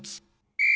ピッ！